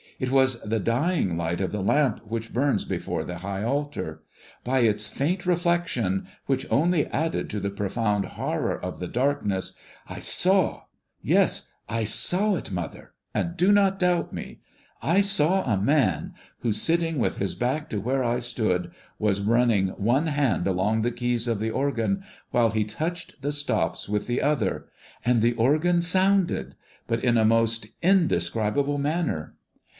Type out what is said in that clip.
It was the dying light of the lamp which burns before the high altar. By its faint reflection, which only added to the profound horror of the darkness, I saw, yes, I saw it, Mother; do not doubt me, I saw a man, who, sitting with his back to where I stood, was running one hand along the keys of the organ, while he touched the stops with the other, and the organ sounded, but in a most indescribable manner.